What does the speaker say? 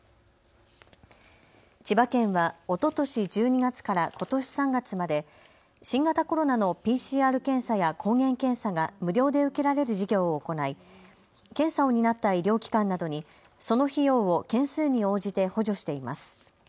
千葉県はおととし１２月からことし３月まで新型コロナのＰＣＲ検査や抗原検査が無料で受けられる事業を行い検査を担った医療機関などにその費用を件数に応じて補助しています。